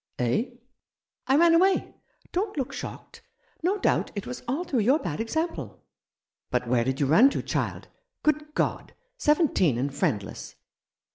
" Eh ?" "I ran away. Don't look shocked. No doubt it was all through your bad example." " But where did you run to, child ? Good God ! Seventeen and friendless